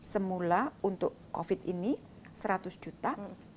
semula untuk covid ini seratus juta